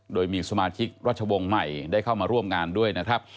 โดยมีสมาชิกรัชวงศ์ใหม่ได้เข้ามาร่วมงานด้วยนะครับ